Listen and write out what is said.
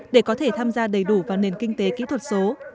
để có thể tham gia đầy đủ vào nền kinh tế kỹ thuật số